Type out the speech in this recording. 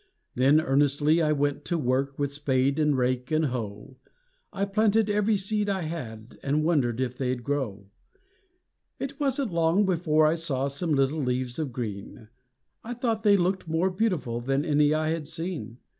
Then earnestly I went to work With spade and rake and hoe; I planted every seed I had, And wondered if they'd grow. It wasn't long before I saw Some little leaves of green; I thought they looked more beautiful Than any I had seen.